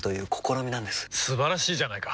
素晴らしいじゃないか！